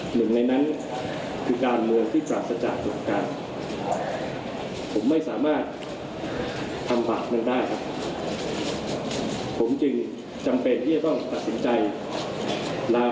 หนึ่งในนั้นคือเมืองที่ผลักสรรค์จบการ